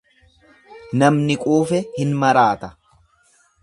Namni quufe hin maraata.